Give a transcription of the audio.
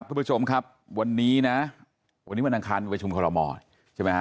ทุกผู้ชมครับวันนี้นะวันนี้วันอังคารประชุมคอรมอลใช่ไหมฮะ